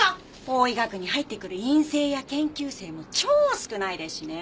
法医学に入ってくる院生や研究生も超少ないですしね。